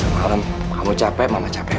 malem kamu capek mama capek